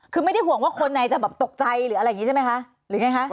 คือไม่ได้ห่วงว่าคนในจะแบบตกใจหรืออะไรอย่างนี้ใช่ไหมคะหรือไงคะ